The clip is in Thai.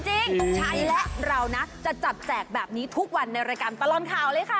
ตรงชัยและเรานะจะจับแจกแบบนี้ทุกวันในรายการตลอดข่าวเลยค่ะ